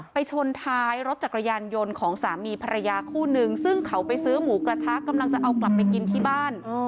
ชนท้ายรถจักรยานยนต์ของสามีภรรยาคู่นึงซึ่งเขาไปซื้อหมูกระทะกำลังจะเอากลับไปกินที่บ้าน